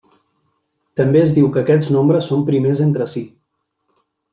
També es diu que aquests nombres són primers entre si.